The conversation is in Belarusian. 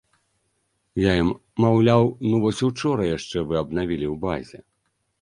Я ім, маўляў, ну вось учора яшчэ вы абнавілі ў базе.